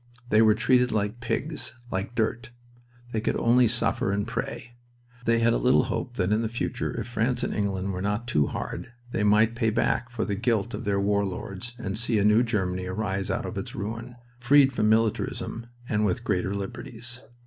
They were treated like pigs, like dirt. They could only suffer and pray. They had a little hope that in the future, if France and England were not too hard, they might pay back for the guilt of their war lords and see a new Germany arise out of its ruin, freed from militarism and with greater liberties.